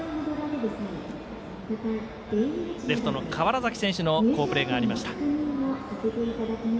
レフトの川原崎選手の好プレーがありました。